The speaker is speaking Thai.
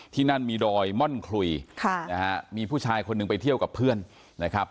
ที่นั่นมีดอยม่อนคลุยค่ะนะฮะมีผู้ชายคนหนึ่งไปเที่ยวกับเพื่อนนะครับ